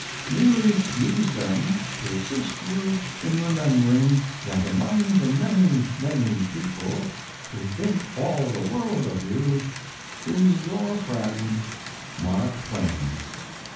Merely use them to assist you in remembering that among the many, many people who think all the world of you is your friend, MARK TWAIN.